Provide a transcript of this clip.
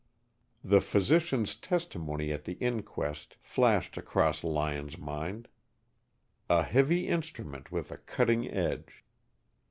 The physician's testimony at the inquest flashed across Lyon's mind, "a heavy instrument with a cutting edge."